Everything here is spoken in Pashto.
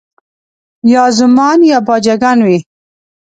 یا زومان یا باجه ګان وي